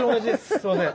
すいません。